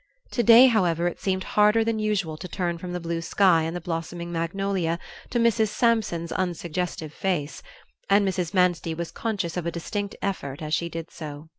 To day, however, it seemed harder than usual to turn from the blue sky and the blossoming magnolia to Mrs. Sampson's unsuggestive face, and Mrs. Manstey was conscious of a distinct effort as she did so.